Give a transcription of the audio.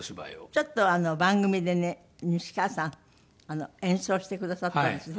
ちょっと番組でね西川さん演奏してくださったんです